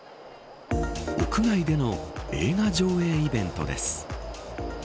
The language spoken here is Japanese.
屋外での映画上映イベントです。